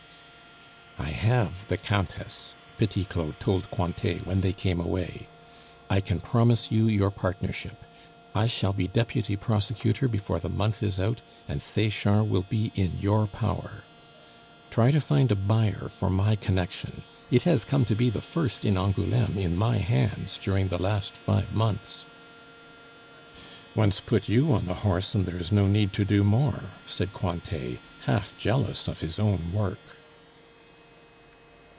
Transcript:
"I have the Countess," Petit Claud told Cointet when they came away. "I can promise you your partnership. I shall be deputy prosecutor before the month is out, and Sechard will be in your power. Try to find a buyer for my connection; it has come to be the first in Angouleme in my hands during the last five months " "Once put you on the horse, and there is no need to do more," said Cointet, half jealous of his own work.